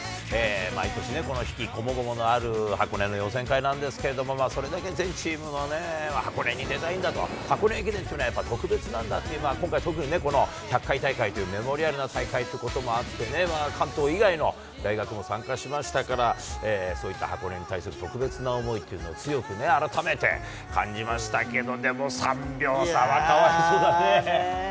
毎年ね、この悲喜こもごものある箱根の予選会なんですけれども、それだけ全チームの、箱根に出たいんだと、箱根駅伝というのは特別なんだという、今回特に１００回大会という、メモリアルな大会ということもあってね、関東以外の大学も参加しましたから、そういった箱根に対する特別な思いっていうのを強く改めて感じましたけど、でも３秒差はかわいそうだね。